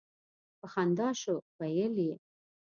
په خندا شو ویل یې.